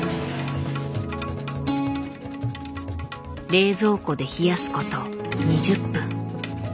冷蔵庫で冷やすこと２０分。